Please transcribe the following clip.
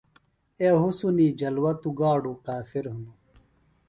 اے حُسُن جلوہ توۡ گاڈوۡ کافِر ہِنوۡ۔